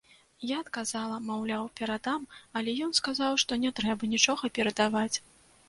Я адказала, маўляў, перадам, але ён сказаў, што не трэба нічога перадаваць.